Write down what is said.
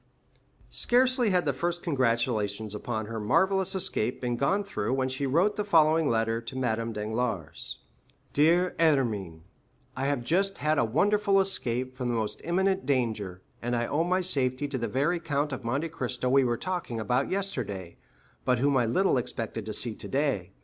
20355m Scarcely had the first congratulations upon her marvellous escape been gone through when she wrote the following letter to Madame Danglars:— "Dear Hermine,—I have just had a wonderful escape from the most imminent danger, and I owe my safety to the very Count of Monte Cristo we were talking about yesterday, but whom I little expected to see today.